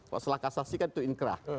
kalau setelah kasasi kan itu inkrah